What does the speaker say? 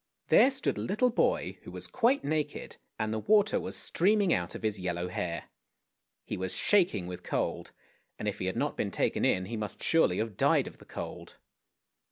There stood a little boy, who was quite naked, and the water was streaming out of his yellow hair. He was shaking with cold, and if he had not been taken in he must surely have died of the cold.